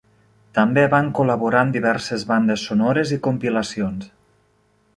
També van col·laborar en diverses bandes sonores i compilacions.